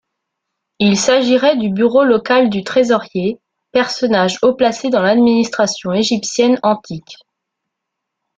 Il s'agirait du bureau local du Trésorier, personnage haut placé dans l'administration égyptienne antique.